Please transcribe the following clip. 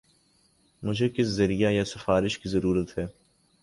مجھے کس ذریعہ یا سفارش کی ضرورت ہے